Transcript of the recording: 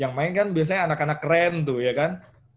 yang main kan biasanya anak anak keren tuh ya kan